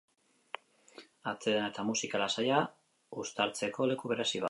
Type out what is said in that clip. Atsedena eta musika lasaia uztartzeko leku berezi bat.